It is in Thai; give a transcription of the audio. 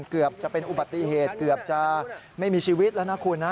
เกือบจะเป็นอุบัติเหตุเกือบจะไม่มีชีวิตแล้วนะคุณนะ